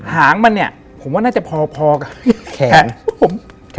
หางมันเนี่ยผมว่าน่าจะพอกับแขนผม